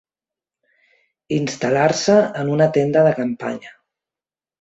Instal·lar-se en una tenda de campanya.